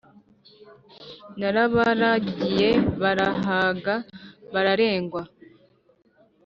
Narabaragiye barahaga bararengwa